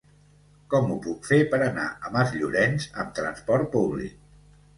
Com ho puc fer per anar a Masllorenç amb trasport públic?